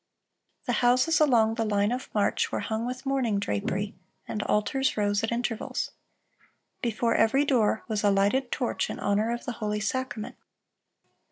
"The houses along the line of march were hung with mourning drapery, and altars rose at intervals." Before every door was a lighted torch in honor of the "holy sacrament."